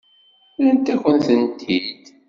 Rrant-akent-tent-id?